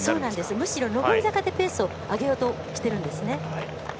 むしろ上り坂でペースを上げようとしてるんですね。